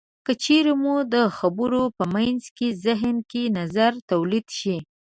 که چېرې مو د خبرو په منځ کې زهن کې نظر تولید شي.